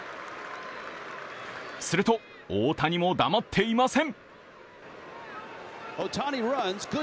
すると大谷も黙っていません。